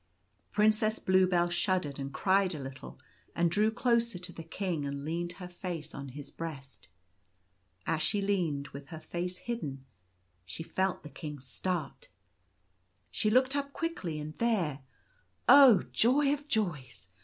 Princess Bluebell shuddered and cried a little, and drew closer to the King, and leaned her face on his breast. As she leaned with her face hidden, she felt the King start She looked up quickly, and there — oh, joy of joys !